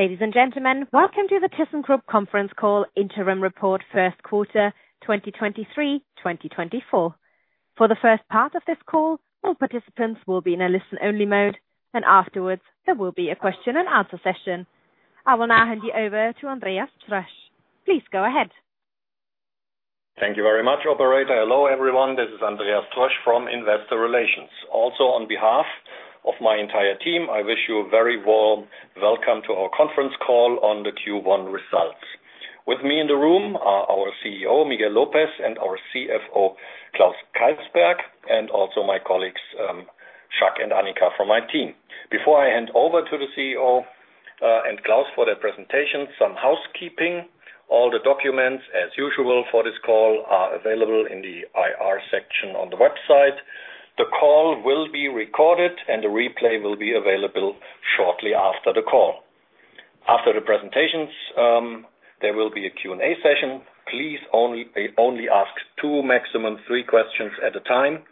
Ladies and gentlemen, welcome to the thyssenkrupp Conference Call Interim Report First Quarter 2023-2024. For the first part of this call, all participants will be in a listen-only mode, and afterwards there will be a question and answer session. I will now hand you over to Andreas Trösch. Please go ahead. Thank you very much, Operator. Hello, everyone. This is Andreas Trösch from Investor Relations. Also on behalf of my entire team, I wish you a very warm welcome to our conference call on the Q1 results. With me in the room are our CEO, Miguel López, and our CFO, Klaus Keysberg, and also my colleagues, Chuck and Annika from my team. Before I hand over to the CEO, and Klaus for their presentation, some housekeeping: all the documents, as usual for this call, are available in the IR section on the website. The call will be recorded, and the replay will be available shortly after the call. After the presentations, there will be a Q&A session. Please only ask two, maximum three questions at a time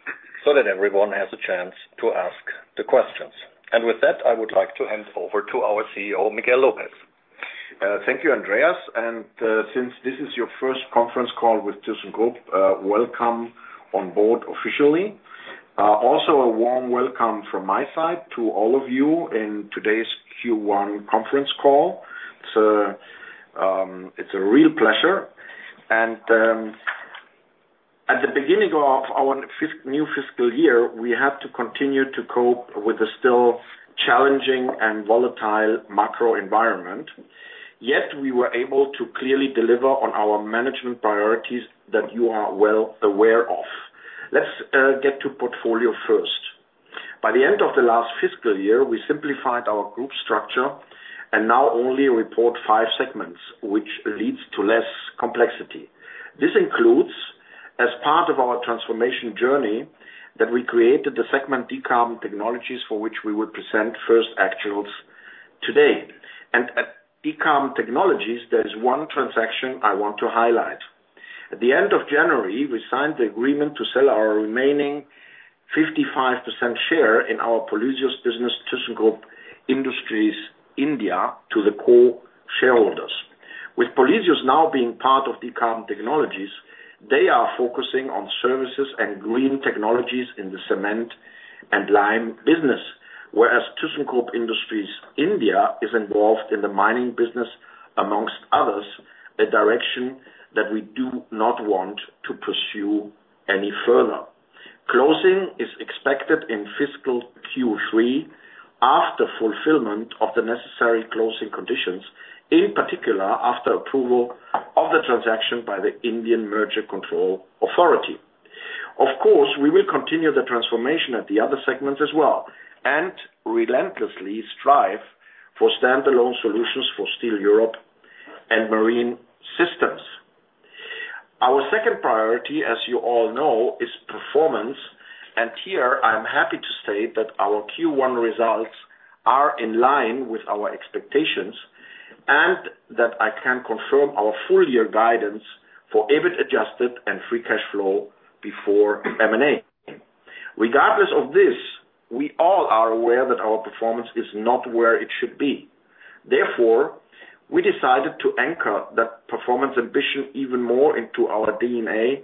so that everyone has a chance to ask the questions. With that, I would like to hand over to our CEO, Miguel López. Thank you, Andreas. And, since this is your first conference call with thyssenkrupp, welcome on board officially. Also a warm welcome from my side to all of you in today's Q1 conference call. It's a real pleasure. And, at the beginning of our fifth new fiscal year, we had to continue to cope with the still challenging and volatile macro environment. Yet we were able to clearly deliver on our management priorities that you are well aware of. Let's get to portfolio first. By the end of the last fiscal year, we simplified our group structure and now only report five segments, which leads to less complexity. This includes, as part of our transformation journey, that we created the segment Decarbon Technologies for which we will present first actuals today. And at Decarbon Technologies, there is one transaction I want to highlight. At the end of January, we signed the agreement to sell our remaining 55% share in our Polysius business, thyssenkrupp Industries India, to the co-shareholders. With Polysius now being part of Decarbon Technologies, they are focusing on services and green technologies in the cement and lime business, whereas thyssenkrupp Industries India is involved in the mining business, among others, a direction that we do not want to pursue any further. Closing is expected in fiscal Q3 after fulfillment of the necessary closing conditions, in particular after approval of the transaction by the Indian Merger Control Authority. Of course, we will continue the transformation at the other segments as well and relentlessly strive for standalone solutions for Steel Europe and Marine Systems. Our second priority, as you all know, is performance. Here, I'm happy to state that our Q1 results are in line with our expectations and that I can confirm our full-year guidance for EBIT adjusted and free cash flow before M&A. Regardless of this, we all are aware that our performance is not where it should be. Therefore, we decided to anchor that performance ambition even more into our DNA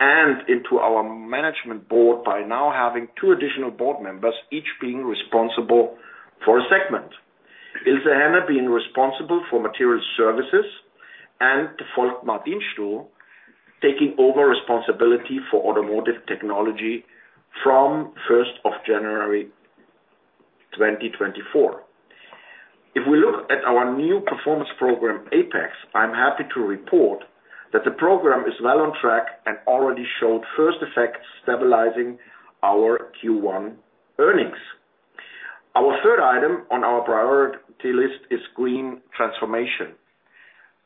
and into our management board by now having two additional board members, each being responsible for a segment: Ilse Henne being responsible for Materials Services and Volkmar Dinstuhl taking over responsibility for Automotive Technology from 1st of January 2024. If we look at our new performance program, APEX, I'm happy to report that the program is well on track and already showed first effects stabilizing our Q1 earnings. Our third item on our priority list is green transformation.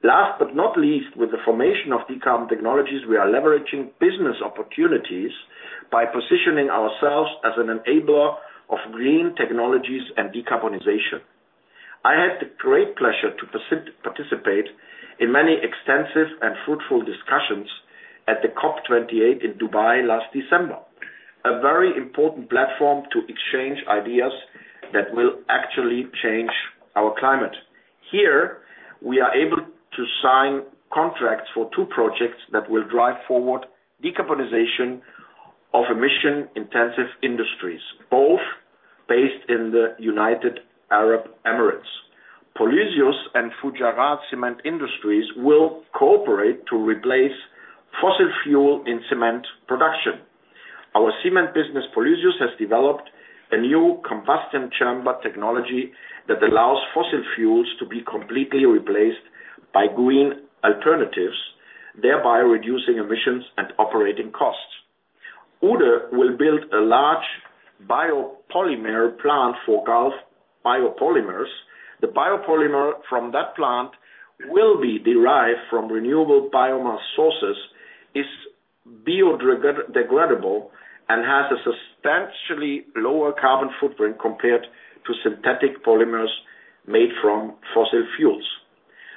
Last but not least, with the formation of Decarbon Technologies, we are leveraging business opportunities by positioning ourselves as an enabler of green technologies and decarbonization. I had the great pleasure to participate in many extensive and fruitful discussions at the COP28 in Dubai last December, a very important platform to exchange ideas that will actually change our climate. Here, we are able to sign contracts for two projects that will drive forward decarbonization of emission-intensive industries, both based in the United Arab Emirates. Polysius and Fujairah Cement Industries will cooperate to replace fossil fuel in cement production. Our cement business, Polysius, has developed a new combustion chamber technology that allows fossil fuels to be completely replaced by green alternatives, thereby reducing emissions and operating costs. Uhde will build a large biopolymer plant for Gulf Biopolymers. The biopolymer from that plant will be derived from renewable biomass sources, is biodegradable, and has a substantially lower carbon footprint compared to synthetic polymers made from fossil fuels.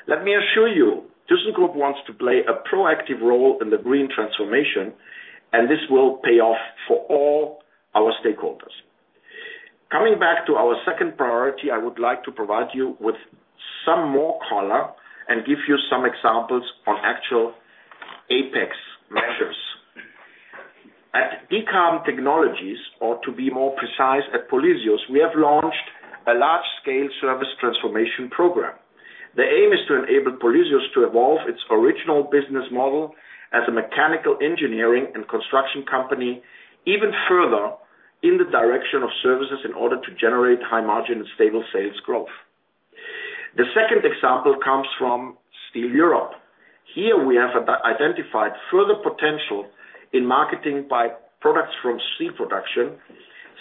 Let me assure you, thyssenkrupp wants to play a proactive role in the green transformation, and this will pay off for all our stakeholders. Coming back to our second priority, I would like to provide you with some more color and give you some examples on actual APEX measures. At Decarbon Technologies, or to be more precise at Polysius, we have launched a large-scale service transformation program. The aim is to enable Polysius to evolve its original business model as a mechanical engineering and construction company even further in the direction of services in order to generate high-margin and stable sales growth. The second example comes from Steel Europe. Here, we have identified further potential in marketing by products from steel production,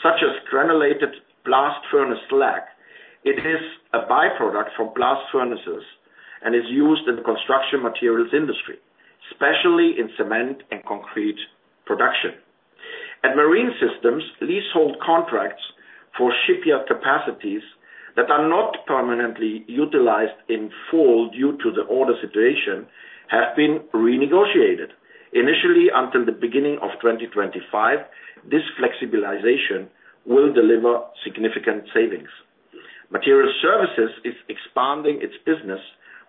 such as granulated blast furnace slag. It is a byproduct from blast furnaces and is used in the construction materials industry, especially in cement and concrete production. At Marine Systems, leasehold contracts for shipyard capacities that are not permanently utilized in full due to the order situation have been renegotiated. Initially, until the beginning of 2025, this flexibilization will deliver significant savings. Materials Services is expanding its business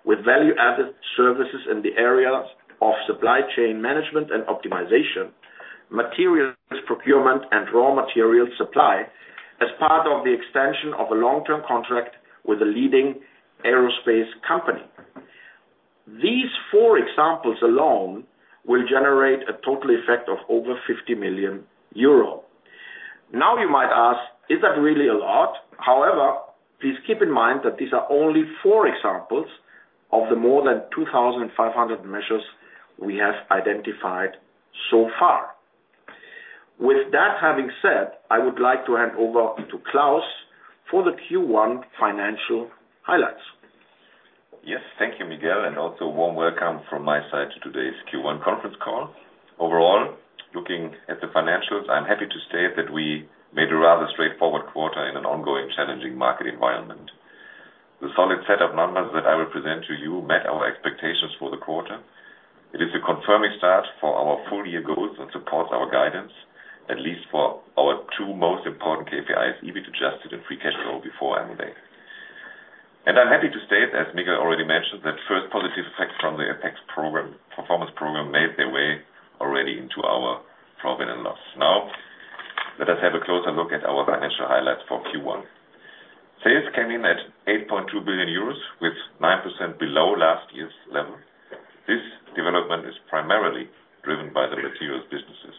with value-added services in the areas of supply chain management and optimization, materials procurement, and raw materials supply as part of the extension of a long-term contract with a leading aerospace company. These four examples alone will generate a total effect of over 50 million euro. Now you might ask, "Is that really a lot?" However, please keep in mind that these are only four examples of the more than 2,500 measures we have identified so far. With that having said, I would like to hand over to Klaus for the Q1 financial highlights. Yes. Thank you, Miguel. Also a warm welcome from my side to today's Q1 conference call. Overall, looking at the financials, I'm happy to state that we made a rather straightforward quarter in an ongoing challenging market environment. The solid set of numbers that I will present to you met our expectations for the quarter. It is a confirming start for our full-year goals and supports our guidance, at least for our two most important KPIs: EBIT adjusted and free cash flow before M&A. I'm happy to state, as Miguel already mentioned, that first positive effects from the APEX program performance program made their way already into our profit and loss. Now, let us have a closer look at our financial highlights for Q1. Sales came in at 8.2 billion euros, with 9% below last year's level. This development is primarily driven by the materials businesses.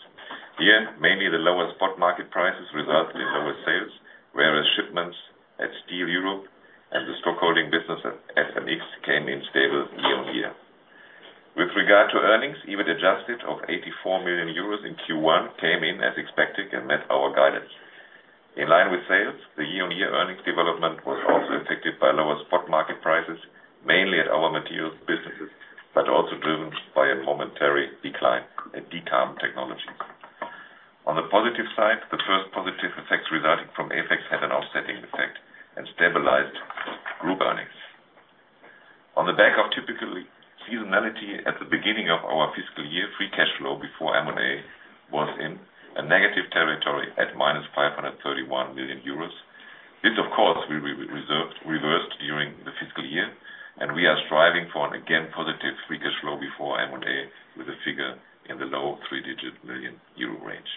Here, mainly the lower spot market prices resulted in lower sales, whereas shipments at Steel Europe and the stockholding business at MX came in stable year-on-year. With regard to earnings, EBIT Adjusted of 84 million euros in Q1 came in as expected and met our guidance. In line with sales, the year-on-year earnings development was also affected by lower spot market prices, mainly at our materials businesses, but also driven by a momentary decline at Decarb Technologies. On the positive side, the first positive effects resulting from APEX had an offsetting effect and stabilized group earnings. On the back of typical seasonality at the beginning of our fiscal year, free cash flow before M&A was in a negative territory at 531 million euros. This, of course, reversed during the fiscal year, and we are striving for an again positive free cash flow before M&A with a figure in the low three-digit million EUR range.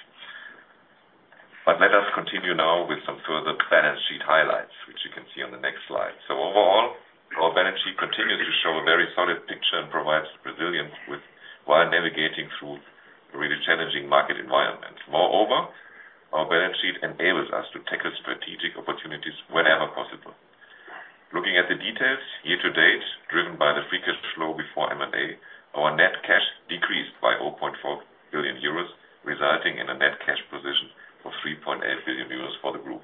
But let us continue now with some further balance sheet highlights, which you can see on the next slide. So overall, our balance sheet continues to show a very solid picture and provides resilience while navigating through a really challenging market environment. Moreover, our balance sheet enables us to tackle strategic opportunities whenever possible. Looking at the details, year to date, driven by the free cash flow before M&A, our net cash decreased by 0.4 billion euros, resulting in a net cash position of 3.8 billion euros for the group.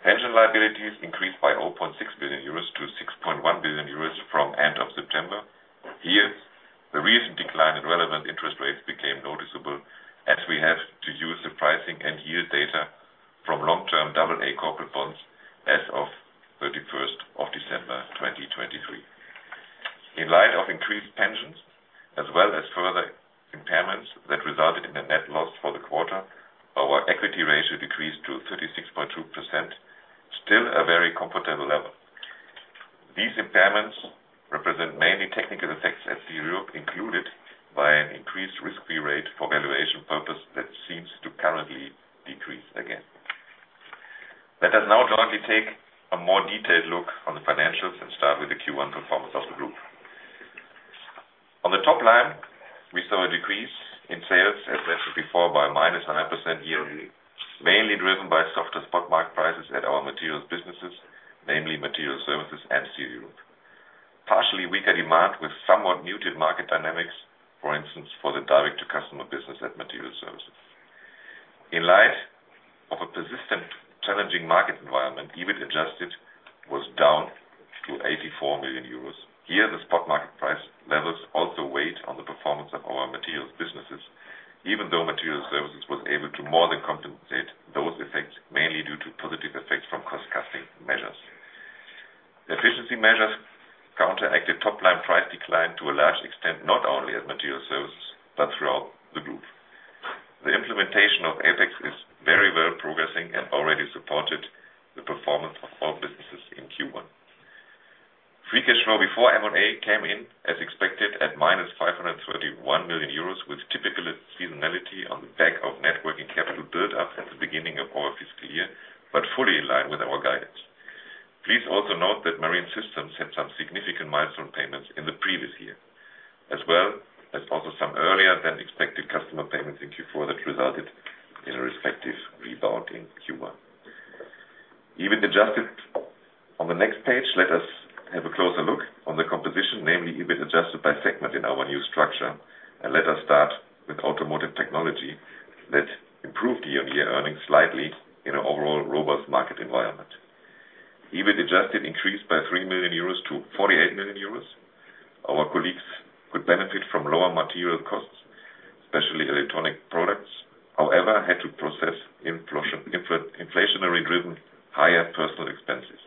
Pension liabilities increased by 0.6 billion-6.1 billion euros from end of September. Here, the recent decline in relevant interest rates became noticeable, as we have to use the pricing and yield data from long-term AA corporate bonds as of 31st of December 2023. In light of increased pensions as well as further impairments that resulted in a net loss for the quarter, our equity ratio decreased to 36.2%, still a very comfortable level. These impairments represent mainly technical effects at Steel Europe, included by an increased risk-free rate for valuation purposes that seems to currently decrease again. Let us now jointly take a more detailed look on the financials and start with the Q1 performance of the group. On the top line, we saw a decrease in sales, as mentioned before, by -9% year-on-year, mainly driven by softer spot market prices at our materials businesses, namely Materials Services and Steel Europe, partially weaker demand with somewhat muted market dynamics, for instance, for the direct-to-customer business at Materials Services. In light of a persistent challenging market environment, EBIT Adjusted was down to 84 million euros. Here, the spot market price levels also weighed on the performance of our materials businesses, even though Materials Services was able to more than compensate those effects, mainly due to positive effects from cost-cutting measures. Efficiency measures counteracted top-line price decline to a large extent, not only at Materials Services but throughout the group. The implementation of APEX is very well progressing and already supported the performance of all businesses in Q1. Free cash flow before M&A came in, as expected, at -531 million euros, with typical seasonality on the back of net working capital buildup at the beginning of our fiscal year, but fully in line with our guidance. Please also note that Marine Systems had some significant milestone payments in the previous year, as well as also some earlier-than-expected customer payments in Q4 that resulted in a respective rebound in Q1. EBIT Adjusted on the next page. Let us have a closer look on the composition, namely EBIT Adjusted by segment in our new structure. Let us start with Automotive Technology, that improved year-on-year earnings slightly in an overall robust market environment. EBIT Adjusted increased by 3 million-48 million euros. Our colleagues could benefit from lower material costs, especially electronic products, however, had to process inflationary-driven higher personnel expenses.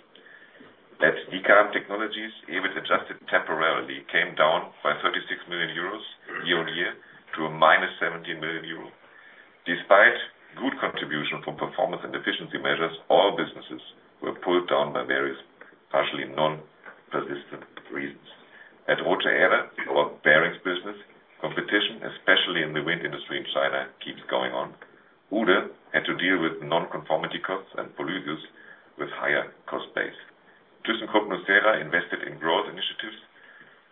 At Decarbon Technologies, EBIT adjusted temporarily came down by 36 million euros year-over-year to -17 million euro. Despite good contribution from performance and efficiency measures, all businesses were pulled down by various partially non-persistent reasons. At rothe erde, our bearings business, competition, especially in the wind industry in China, keeps going on. Uhde had to deal with non-conformity costs and Polysius with higher cost base. thyssenkrupp nucera invested in growth initiatives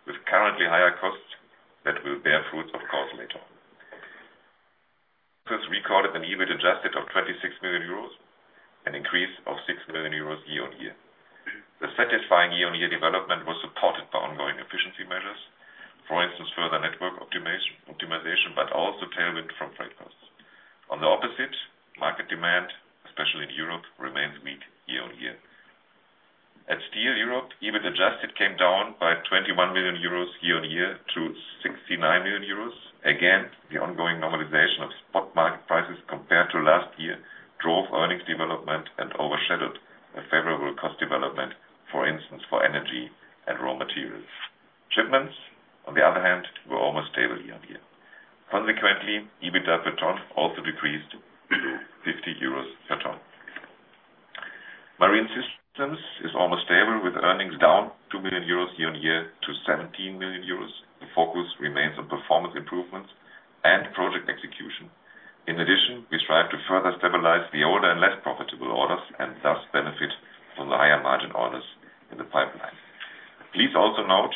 with currently higher costs that will bear fruits, of course, later. Business recorded an EBIT adjusted of 26 million euros, an increase of 6 million euros year-over-year. The satisfying year-on-year development was supported by ongoing efficiency measures, for instance, further network optimization, but also tailwind from freight costs. On the opposite, market demand, especially in Europe, remains weak year-over-year. At Steel Europe, EBIT adjusted came down by 21 million euros year-over-year to 69 million euros. Again, the ongoing normalization of spot market prices compared to last year drove earnings development and overshadowed a favorable cost development, for instance, for energy and raw materials. Shipments, on the other hand, were almost stable year-over-year. Consequently, EBIT per ton also decreased to 50 euros per ton. Marine Systems is almost stable, with earnings down 2 million euros year-over-year to 17 million euros. The focus remains on performance improvements and project execution. In addition, we strive to further stabilize the older and less profitable orders and thus benefit from the higher-margin orders in the pipeline. Please also note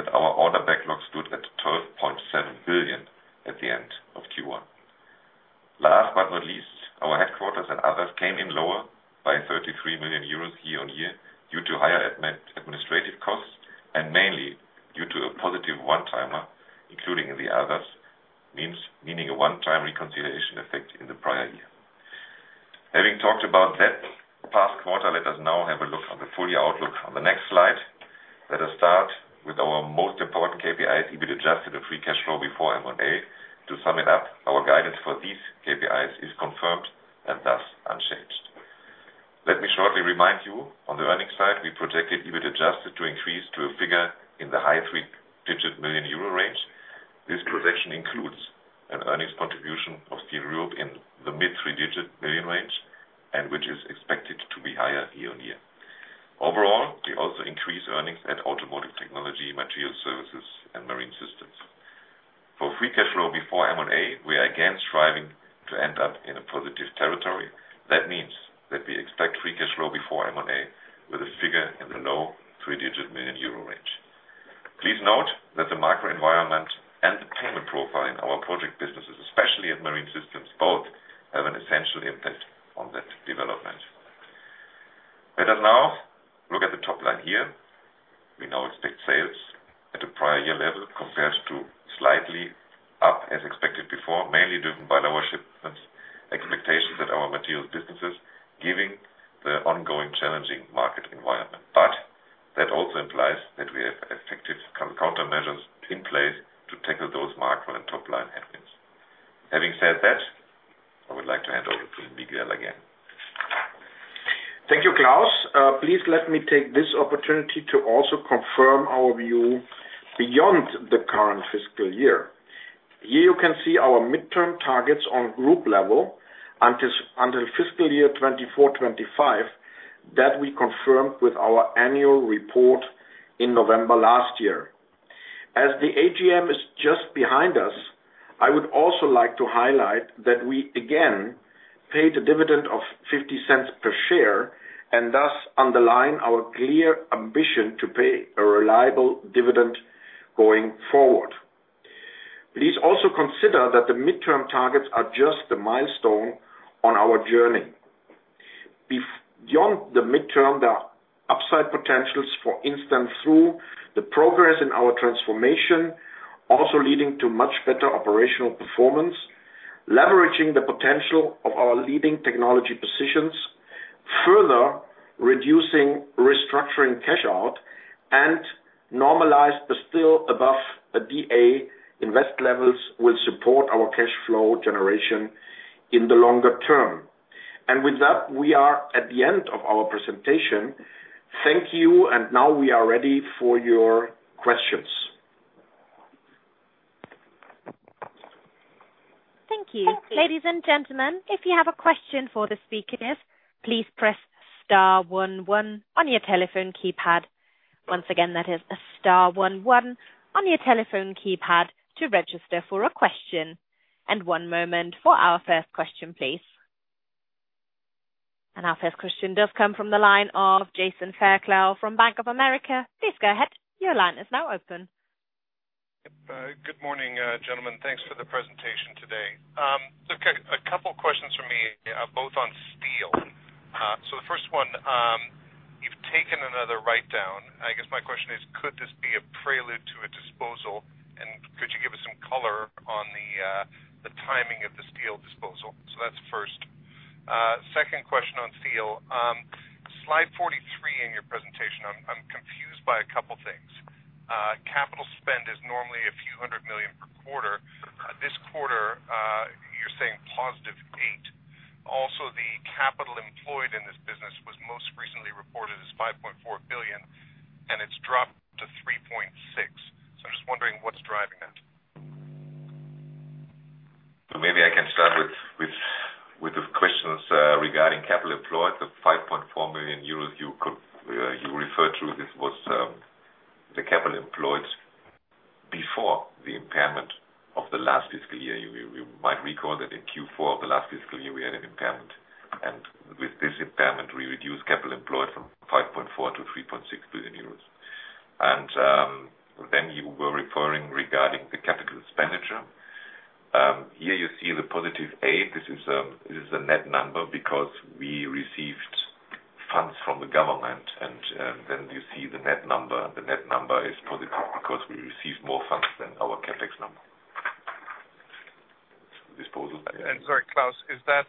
that our order backlog stood at 12.7 billion at the end of Q1. Last but not least, our headquarters and others came in lower by 33 million euros year-over-year due to higher administrative costs and mainly due to a positive one-timer, including in the others, meaning a one-time reconciliation effect in the prior year. Having talked about that past quarter, let us now have a look on the full-year outlook on the next slide. Let us start with our most important KPIs: EBIT adjusted and free cash flow before M&A. To sum it up, our guidance for these KPIs is confirmed and thus unchanged. Let me shortly remind you, on the earnings side, we projected EBIT adjusted to increase to a figure in the high three-digit million EUR range. This projection includes an earnings contribution of Steel Europe in the mid three-digit million range, which is expected to be higher year-over-year. Overall, we also increase earnings at Automotive Technology, Materials Services, and Marine Systems. For free cash flow before M&A, we are again striving to end up in a positive territory. That means that we expect free cash flow before M&A with a figure in the low three-digit million EUR range. Please note that the macro environment and the payment profile in our project businesses, especially at Marine Systems, both have an essential impact on that development. Let us now look at the top line here. We now expect sales at a prior year level compared to slightly up as expected before, mainly driven by lower shipments expectations at our materials businesses, giving the ongoing challenging market environment. But that also implies that we have effective countermeasures in place to tackle those macro and top-line headwinds. Having said that, I would like to hand over to Miguel again. Thank you, Klaus. Please let me take this opportunity to also confirm our view beyond the current fiscal year. Here, you can see our midterm targets on group level until fiscal year 2024/2025 that we confirmed with our annual report in November last year. As the AGM is just behind us, I would also like to highlight that we, again, paid a dividend of 0.50 per share and thus underline our clear ambition to pay a reliable dividend going forward. Please also consider that the midterm targets are just the milestone on our journey. Beyond the midterm, there are upside potentials, for instance, through the progress in our transformation, also leading to much better operational performance, leveraging the potential of our leading technology positions, further reducing restructuring cash out, and normalized but still above D&A invest levels will support our cash flow generation in the longer term. With that, we are at the end of our presentation. Thank you. Now we are ready for your questions. Thank you. Ladies and gentlemen, if you have a question for the speakers, please press star one one on your telephone keypad. Once again, that is star one one on your telephone keypad to register for a question. One moment for our first question, please. Our first question does come from the line of Jason Fairclough from Bank of America. Please go ahead. Your line is now open. Good morning, gentlemen. Thanks for the presentation today. A couple of questions from me, both on steel. So the first one, you've taken another write-down. I guess my question is, could this be a prelude to a disposal, and could you give us some color on the timing of the steel disposal? So that's first. Second question on steel. Slide 43 in your presentation, I'm confused by a couple of things. Capital spend is normally EUR a few hundred million per quarter. This quarter, you're saying +8. Also, the capital employed in this business was most recently reported as 5.4 billion, and it's dropped to 3.6 billion. So I'm just wondering what's driving that. So maybe I can start with the questions regarding Capital Employed. The 5.4 million euros you referred to, this was the Capital Employed before the Impairment of the last fiscal year. You might recall that in Q4 of the last fiscal year, we had an Impairment. And with this Impairment, we reduced Capital Employed from 5.4 billion-3.6 billion euros. And then you were referring regarding the capital expenditure. Here, you see the +8. This is a net number because we received funds from the government. And then you see the net number. The net number is positive because we received more funds than our CapEx number. Disposal? And sorry, Klaus, is that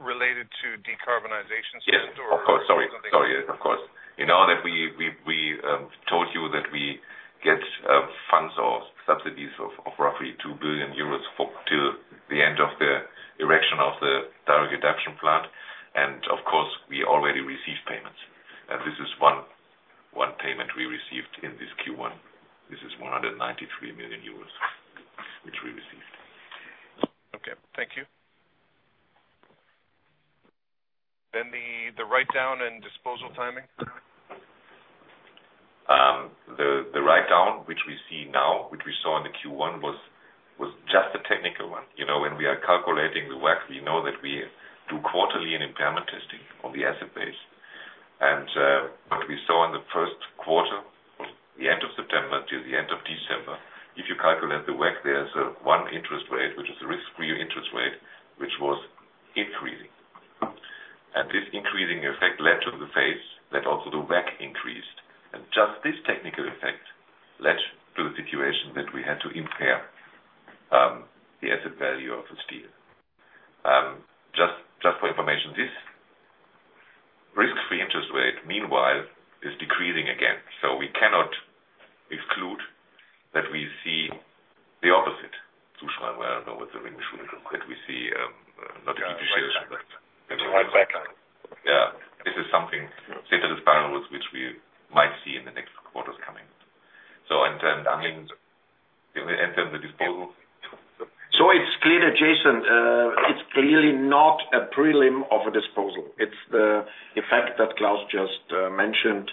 related to decarbonization spend, or something? Yes. Of course. Of course. You know that we told you that we get funds or subsidies of roughly 2 billion euros till the end of the erection of the direct reduction plant. And of course, we already received payments. And this is one payment we received in this Q1. This is 193 million euros, which we received. Okay. Thank you. Then the write-down and disposal timing? The write-down, which we see now, which we saw in the Q1, was just a technical one. When we are calculating the WACC, we know that we do quarterly an impairment testing on the asset base. What we saw in the first quarter, the end of September till the end of December, if you calculate the WACC, there's one interest rate, which is a risk-free interest rate, which was increasing. This increasing effect led to the phase that also the WACC increased. Just this technical effect led to the situation that we had to impair the asset value of the steel. Just for information, this risk-free interest rate, meanwhile, is decreasing again. So we cannot exclude that we see the opposite. Zuschreibung, I don't know what the English word is, that we see not a depreciation, but. Right back. Yeah. This is something similar with which we might see in the next quarters coming. And then the disposal? It's clear that, Jason, it's clearly not a prelim of a disposal. It's the effect that Klaus just mentioned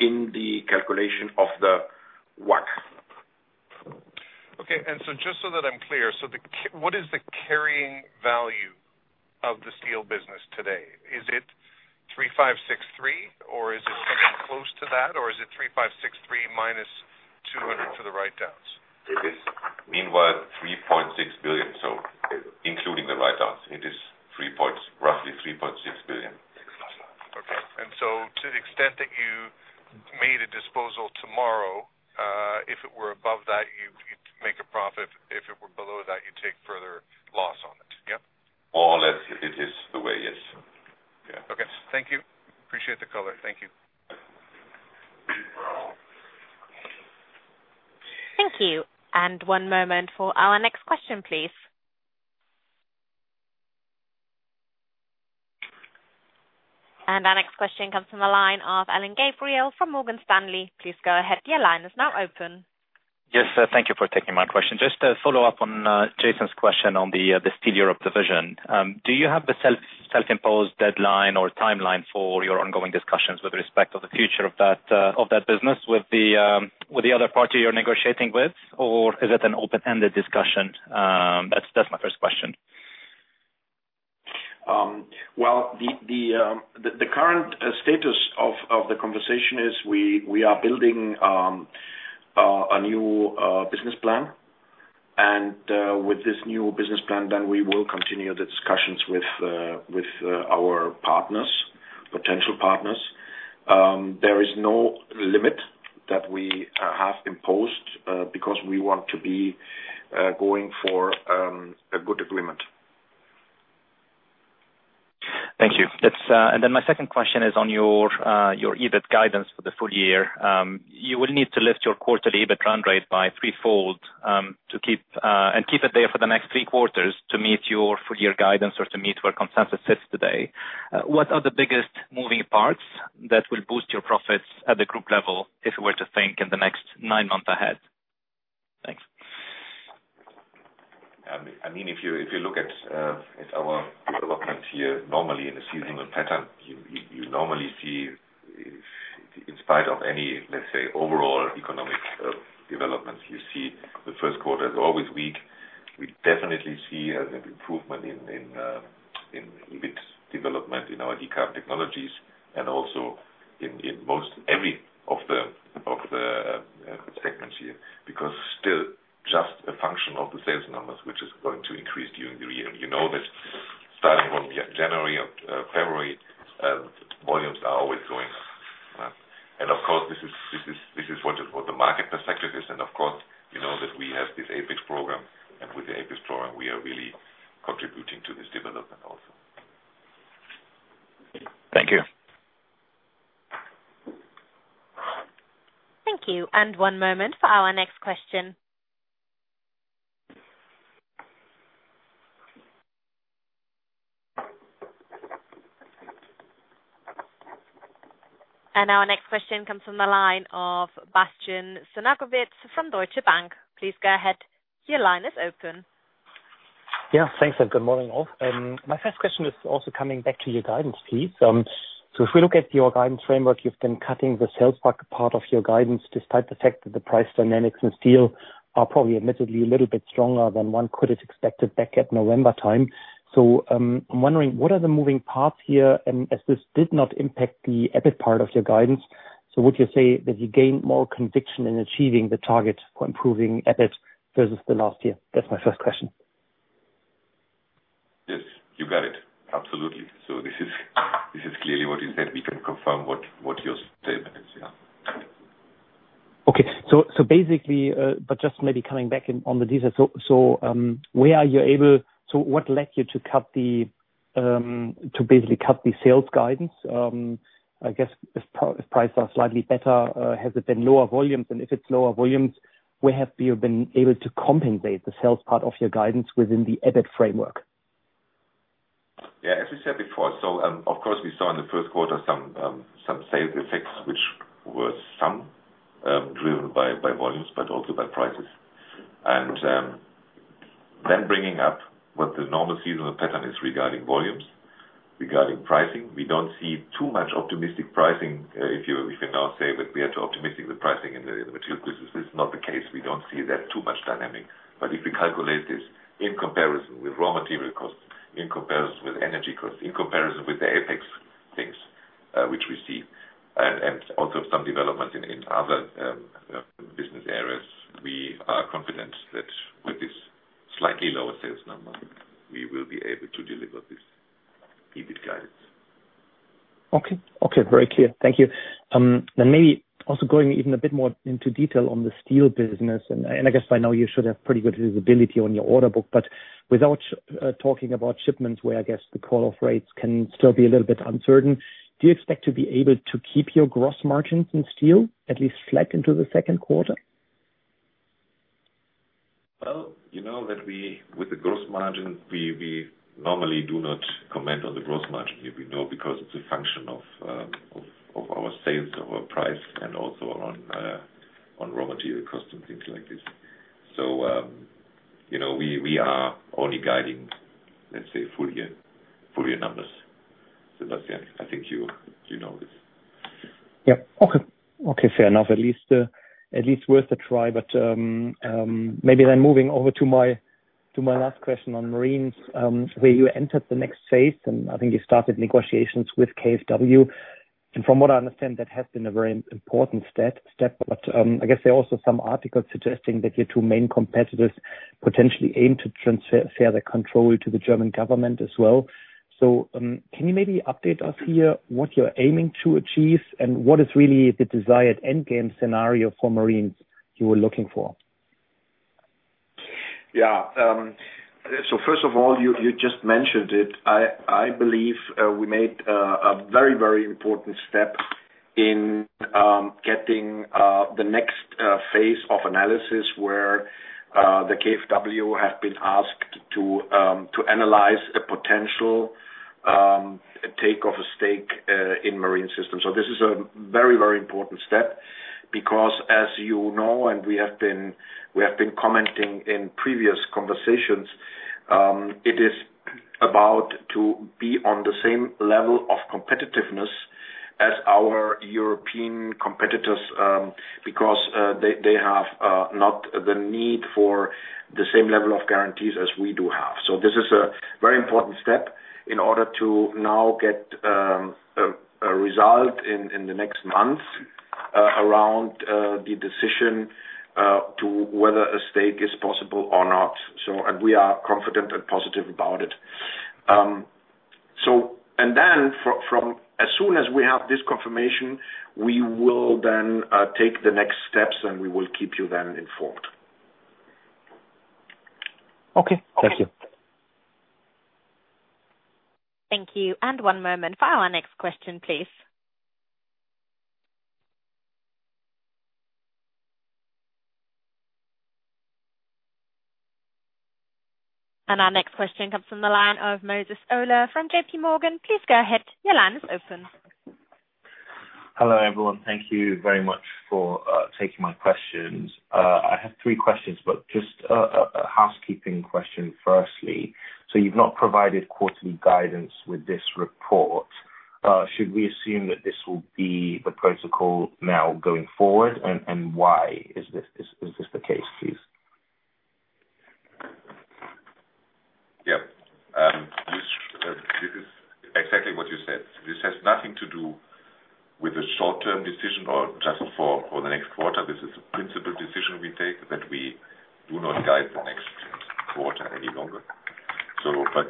in the calculation of the WACC. Okay. Just so that I'm clear, so what is the carrying value of the steel business today? Is it 3,563, or is it something close to that, or is it 3,563 minus 200 for the write-downs? It is, meanwhile, 3.6 billion. So including the write-downs, it is roughly 3.6 billion. Okay. And so to the extent that you made a disposal tomorrow, if it were above that, you'd make a profit. If it were below that, you'd take further loss on it. Yeah? More or less, it is the way. Yes. Yeah. Okay. Thank you. Appreciate the color. Thank you. Thank you. And one moment for our next question, please. And our next question comes from the line of Alain Gabriel from Morgan Stanley. Please go ahead. Your line is now open. Yes. Thank you for taking my question. Just to follow up on Jason's question on the Steel Europe division, do you have the self-imposed deadline or timeline for your ongoing discussions with respect to the future of that business with the other party you're negotiating with, or is it an open-ended discussion? That's my first question. Well, the current status of the conversation is we are building a new business plan. With this new business plan, then we will continue the discussions with our potential partners. There is no limit that we have imposed because we want to be going for a good agreement. Thank you. My second question is on your EBIT guidance for the full year. You will need to lift your quarterly EBIT run rate by threefold and keep it there for the next three quarters to meet your full-year guidance or to meet where consensus sits today. What are the biggest moving parts that will boost your profits at the group level if we were to think in the next nine months ahead? Thanks. I mean, if you look at our development here normally in a seasonal pattern, you normally see, in spite of any, let's say, overall economic developments, you see the first quarter is always weak. We definitely see an improvement in EBIT development in our Decarbon Technologies and also in every of the segments here because still just a function of the sales numbers, which is going to increase during the year. You know that starting from January, February, volumes are always going up. And of course, this is what the market perspective is. And of course, you know that we have this APEX program. And with the APEX program, we are really contributing to this development also. Thank you. Thank you. One moment for our next question. Our next question comes from the line of Bastian Synagowitz from Deutsche Bank. Please go ahead. Your line is open. Yeah. Thanks. Good morning, all. My first question is also coming back to your guidance, please. So if we look at your guidance framework, you've been cutting the sales part of your guidance despite the fact that the price dynamics in steel are probably admittedly a little bit stronger than one could have expected back at November time. So I'm wondering, what are the moving parts here? And as this did not impact the EBIT part of your guidance, would you say that you gained more conviction in achieving the target for improving EBIT versus the last year? That's my first question. Yes. You got it. Absolutely. So this is clearly what you said. We can confirm what your statement is. Yeah. Okay. Just maybe coming back on the details, so where are you able, so what led you to basically cut the sales guidance? I guess if prices are slightly better, has it been lower volumes? If it's lower volumes, where have you been able to compensate the sales part of your guidance within the EBIT framework? Yeah. As we said before, so of course, we saw in the first quarter some sales effects, which were somewhat driven by volumes but also by prices. And then bringing up what the normal seasonal pattern is regarding volumes, regarding pricing, we don't see too much optimistic pricing. If we now say that we had too optimistic the pricing in the material business, this is not the case. We don't see that too much dynamic. But if we calculate this in comparison with raw material costs, in comparison with energy costs, in comparison with the APEX things, which we see, and also some developments in other business areas, we are confident that with this slightly lower sales number, we will be able to deliver this EBIT guidance. Okay. Okay. Very clear. Thank you. Then maybe also going even a bit more into detail on the steel business. I guess by now, you should have pretty good visibility on your order book. But without talking about shipments, where I guess the call-off rates can still be a little bit uncertain, do you expect to be able to keep your gross margins in steel at least flat into the second quarter? Well, with the gross margins, we normally do not comment on the gross margin. We know because it's a function of our sales, our price, and also on raw material costs and things like this. So we are only guiding, let's say, full-year numbers. Bastian, I think you know this. Yep. Okay. Okay. Fair enough. At least worth a try. But maybe then moving over to my last question on Marines, where you entered the next phase, and I think you started negotiations with KfW. And from what I understand, that has been a very important step. But I guess there are also some articles suggesting that your two main competitors potentially aim to transfer the control to the German government as well. So can you maybe update us here what you're aiming to achieve and what is really the desired endgame scenario for Marines you were looking for? Yeah. So first of all, you just mentioned it. I believe we made a very, very important step in getting the next phase of analysis where the KfW have been asked to analyze a potential takeover of a stake in marine systems. So this is a very, very important step because, as you know, and we have been commenting in previous conversations, it is about to be on the same level of competitiveness as our European competitors because they have not the need for the same level of guarantees as we do have. So this is a very important step in order to now get a result in the next month around the decision to whether a stake is possible or not. And we are confident and positive about it. And then as soon as we have this confirmation, we will then take the next steps, and we will keep you then informed. Okay. Thank you. Thank you. One moment for our next question, please. Our next question comes from the line of Moses Ola from J.P. Morgan. Please go ahead. Your line is open. Hello, everyone. Thank you very much for taking my questions. I have three questions, but just a housekeeping question firstly. So you've not provided quarterly guidance with this report. Should we assume that this will be the protocol now going forward, and why is this the case, please? Yep. This is exactly what you said. This has nothing to do with a short-term decision or just for the next quarter. This is a principal decision we take that we do not guide the next quarter any longer. But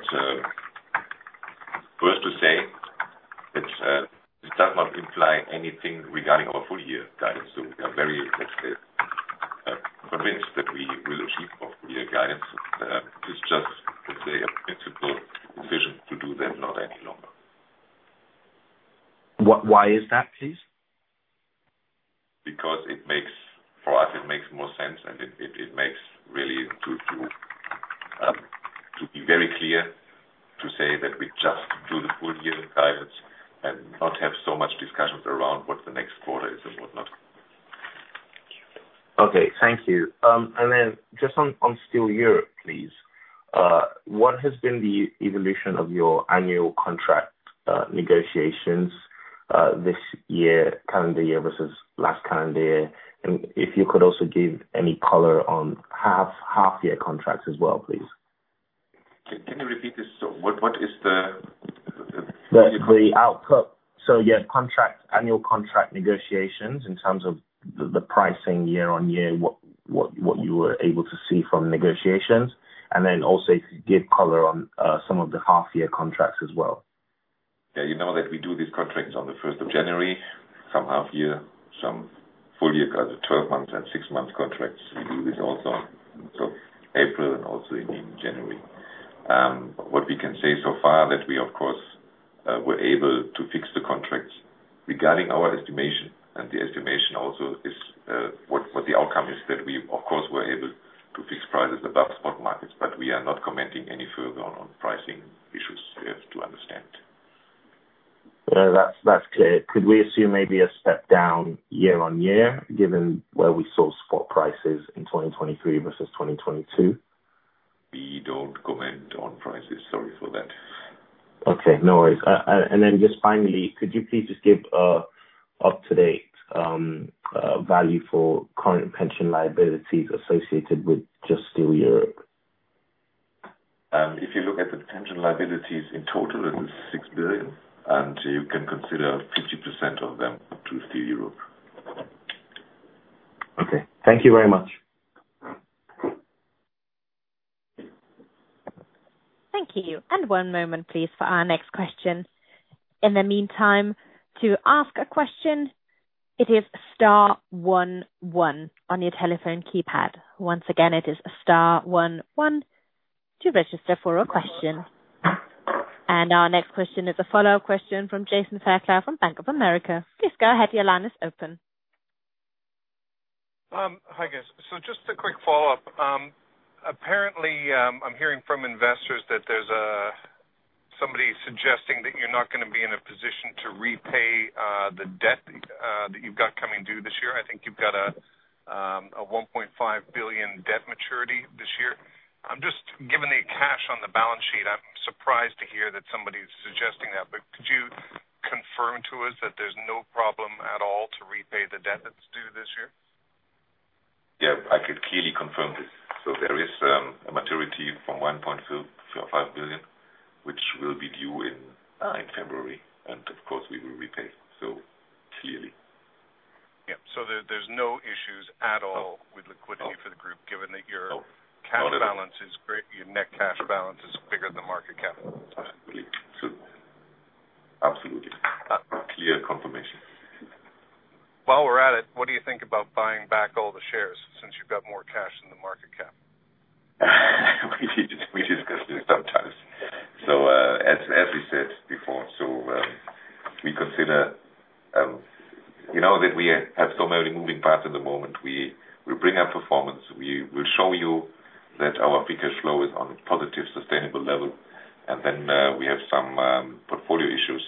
first to say, it does not imply anything regarding our full-year guidance. So we are very, let's say, convinced that we will achieve our full-year guidance. It's just, let's say, a principal decision to do that not any longer. Why is that, please? Because for us, it makes more sense. It makes really to be very clear to say that we just do the full-year guidance and not have so much discussions around what the next quarter is and what not. Okay. Thank you. And then just on Steel Europe, please, what has been the evolution of your annual contract negotiations this year, calendar year, versus last calendar year? And if you could also give any color on half-year contracts as well, please. Can you repeat this? So what is the? The output. So yeah, annual contract negotiations in terms of the pricing year on year, what you were able to see from negotiations, and then also give color on some of the half-year contracts as well. Yeah. You know that we do these contracts on the 1st of January, some half-year, some full-year, 12-months and 6-months contracts. We do this also, so April and also in January. What we can say so far is that we, of course, were able to fix the contracts regarding our estimation. The estimation also is what the outcome is, that we, of course, were able to fix prices above spot markets, but we are not commenting any further on pricing issues. You have to understand. Yeah. That's clear. Could we assume maybe a step down year-on-year given where we saw spot prices in 2023 versus 2022? We don't comment on prices. Sorry for that. Okay. No worries. And then just finally, could you please just give an up-to-date value for current pension liabilities associated with just Steel Europe? If you look at the pension liabilities in total, it is 6 billion. You can consider 50% of them to Steel Europe. Okay. Thank you very much. Thank you. And one moment, please, for our next question. In the meantime, to ask a question, it is star one one on your telephone keypad. Once again, it is star one one to register for a question. And our next question is a follow-up question from Jason Fairclough from Bank of America. Please go ahead. Your line is open. Hi, guys. So just a quick follow-up. Apparently, I'm hearing from investors that there's somebody suggesting that you're not going to be in a position to repay the debt that you've got coming due this year. I think you've got a 1.5 billion debt maturity this year. Given the cash on the balance sheet, I'm surprised to hear that somebody's suggesting that. But could you confirm to us that there's no problem at all to repay the debt that's due this year? Yeah. I could clearly confirm this. So there is a maturity from 1.5 billion, which will be due in February. Of course, we will repay, so clearly. Yeah. So there's no issues at all with liquidity for the group given that your net cash balance is bigger than market cap. Absolutely. Absolutely. Clear confirmation. While we're at it, what do you think about buying back all the shares since you've got more cash than the market cap? We discuss this sometimes. So as we said before, so we consider that we have so many moving parts at the moment. We will bring up performance. We will show you that our pickup flow is on a positive, sustainable level. And then we have some portfolio issues.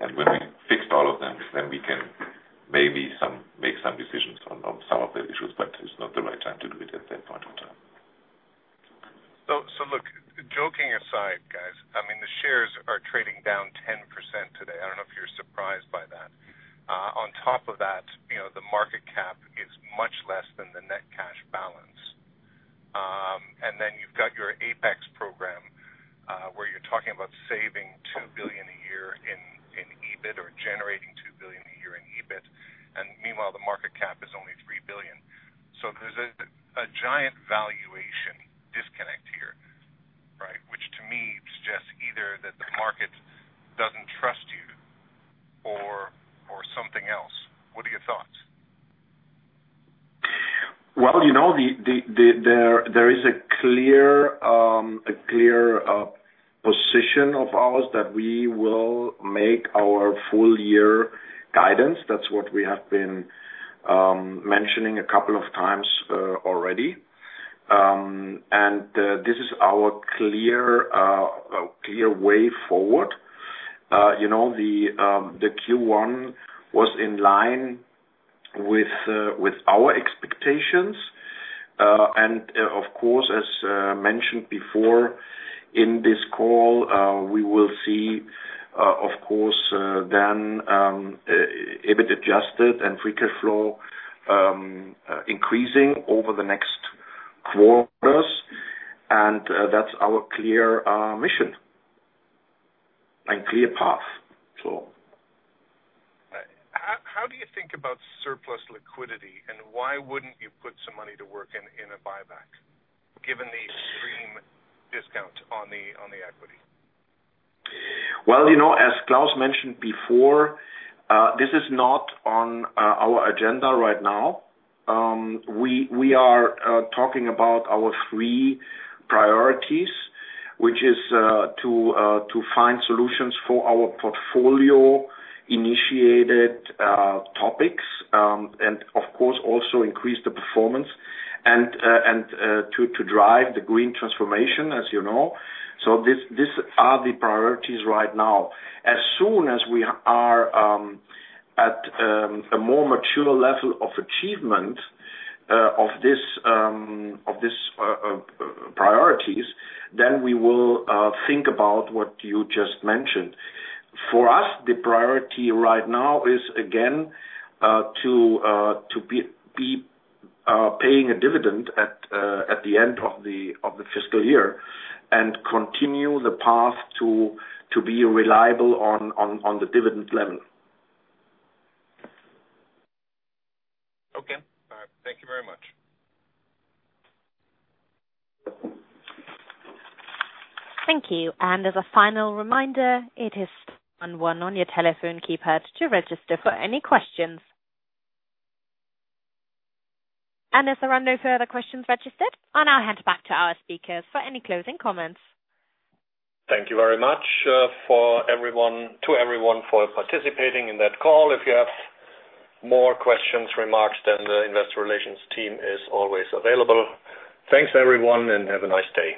And when we fixed all of them, then we can maybe make some decisions on some of the issues. But it's not the right time to do it at that point of time. So look, joking aside, guys, I mean, the shares are trading down 10% today. I don't know if you're surprised by that. On top of that, the market cap is much less than the net cash balance. And then you've got your APEX program where you're talking about saving EUR 2 billion a year in EBIT or generating EUR 2 billion a year in EBIT. And meanwhile, the market cap is only EUR 3 billion. So there's a giant valuation disconnect here, right, which to me suggests either that the market doesn't trust you or something else. What are your thoughts? Well, there is a clear position of ours that we will make our full-year guidance. That's what we have been mentioning a couple of times already. And this is our clear way forward. The Q1 was in line with our expectations. And of course, as mentioned before in this call, we will see, of course, then EBIT Adjusted and free cash flow increasing over the next quarters. And that's our clear mission and clear path, so. How do you think about surplus liquidity, and why wouldn't you put some money to work in a buyback given the extreme discount on the equity? Well, as Klaus mentioned before, this is not on our agenda right now. We are talking about our three priorities, which is to find solutions for our portfolio-initiated topics and, of course, also increase the performance and to drive the green transformation, as you know. So these are the priorities right now. As soon as we are at a more mature level of achievement of these priorities, then we will think about what you just mentioned. For us, the priority right now is, again, to be paying a dividend at the end of the fiscal year and continue the path to be reliable on the dividend level. Okay. All right. Thank you very much. Thank you. As a final reminder, it is star one one on your telephone keypad to register for any questions. If there are no further questions registered, I now hand back to our speakers for any closing comments. Thank you very much to everyone for participating in that call. If you have more questions, remarks, then the investor relations team is always available. Thanks, everyone, and have a nice day.